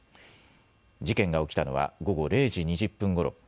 事件が起きたのは午後０時２０分ごろ。